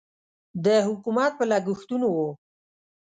د حکومت په لګښتونو و.